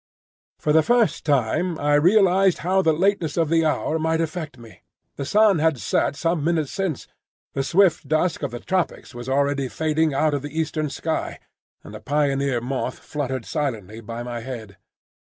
For the first time I realised how the lateness of the hour might affect me. The sun had set some minutes since, the swift dusk of the tropics was already fading out of the eastern sky, and a pioneer moth fluttered silently by my head.